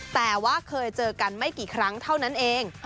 แต่ว่าเคยเจอกันไม่กี่ครั้งเท่านั้นเอง